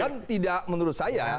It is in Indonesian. dan tidak menurut saya